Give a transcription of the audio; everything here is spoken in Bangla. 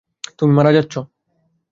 তুমি মারা যাচ্ছ।